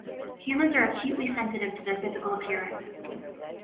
Humans are acutely sensitive to their physical appearance.